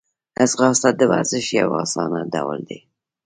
ځغاسته د ورزش یو آسانه ډول دی